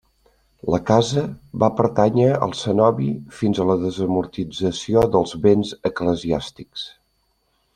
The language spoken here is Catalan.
La casa va pertànyer al cenobi fins a la desamortització dels béns eclesiàstics.